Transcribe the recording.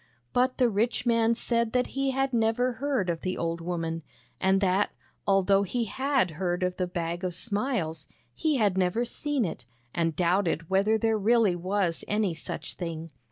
But the rich man said that he had never heard of the old woman, and that, although he had heard of the Bag of Smiles, he had never seen it, and doubted whether there really was any such thing.